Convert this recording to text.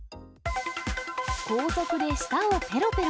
高速で舌をぺろぺろ。